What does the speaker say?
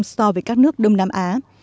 so với các nước đông nam á